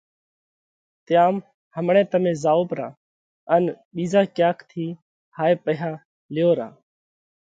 تيام همڻئہ تمي زائو پرا ان ٻِيزا ڪياڪ ٿِي هائي پئِيها ليو را۔